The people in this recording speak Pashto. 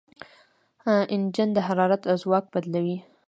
انجن د حرارت ځواک بدلوي.